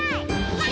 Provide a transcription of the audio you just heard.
はい！